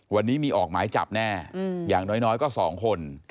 วันนี้มีออกหมายจับแน่อย่างน้อยก็๒คน